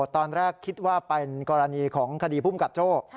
ตอนแรกคิดว่าเป็นกรณีของคดีภูมิกับโจ้